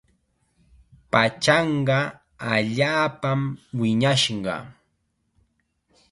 Pachanqa allaapam wiñashqa.